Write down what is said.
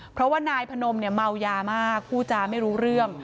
เพราะว่านายพนมเนี่ยเมายามากผู้จาไม่รู้เรื่อง